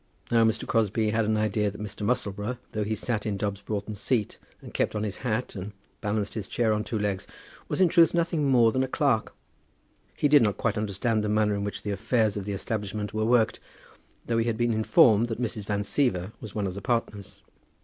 Now Mr. Crosbie had an idea that Mr. Musselboro, though he sat in Dobbs Broughton's seat and kept on his hat, and balanced his chair on two legs, was in truth nothing more than a clerk. He did not quite understand the manner in which the affairs of the establishment were worked, though he had been informed that Mrs. Van Siever was one of the partners.